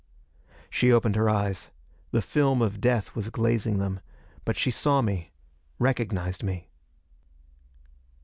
She opened her eyes; the film of death was glazing them. But she saw me, recognized me.